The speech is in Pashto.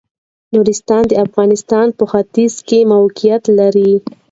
نورستان د افغانستان په ختيځ کې موقيعت لري.